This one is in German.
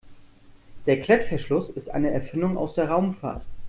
Der Klettverschluss ist eine Erfindung aus der Raumfahrt.